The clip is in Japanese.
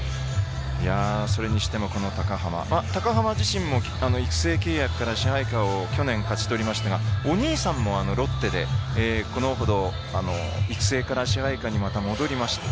それにしてもこの高濱高濱自身も育成契約から支配下を去年勝ち取りましたがお兄さんもロッテでこのほど育成から支配下にまた戻りました。